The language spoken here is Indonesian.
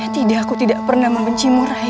tidak aku tidak pernah membencimu rai